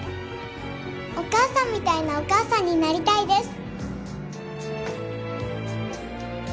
お母さんみたいなお母さんになりたいです。